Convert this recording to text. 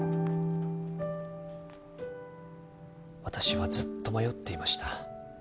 私はずっと迷っていました。